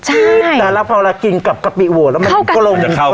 แต่พอละกินกับกะปิอัวแล้วมันจะเข้ากัน